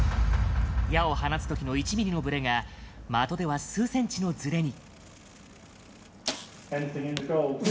矢を放つときの１ミリのぶれが的では数センチのズレに。